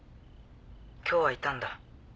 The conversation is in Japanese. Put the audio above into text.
今日はいたんだ。